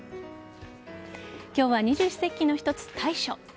今日は二十四節気の一つ、大暑。